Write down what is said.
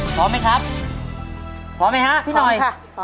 พร้อมไหมครับพร้อมไหมฮะพี่หน่อย